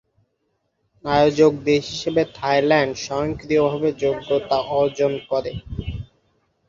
আয়োজক দেশ হিসাবে থাইল্যান্ড স্বয়ংক্রিয়ভাবে যোগ্যতা অর্জন করে।